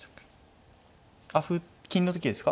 あっ歩金の時ですか？